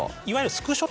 いわゆる。